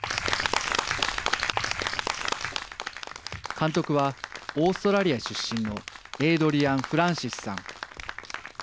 監督はオーストラリア出身のエイドリアン・フランシスさん。